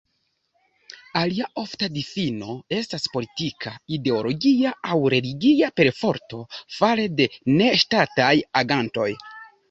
Alia ofta difino estas politika, ideologia aŭ religia perforto fare de ne-ŝtataj agantoj.